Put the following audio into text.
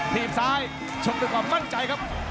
ทีมซ้ายชมดีกว่ามั่งใจครับ